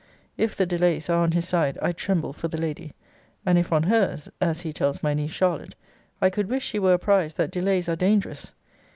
If the delays are on his side, I tremble for the lady; and, if on hers, (as he tells my niece Charlotte,) I could wish she were apprized that delays are dangerous.